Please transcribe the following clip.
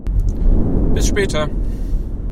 Bis später!